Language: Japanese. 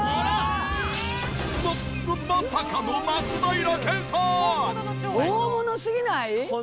まままさかの松平健さん！